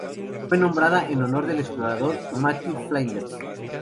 Fue nombrada en honor del explorador Matthew Flinders.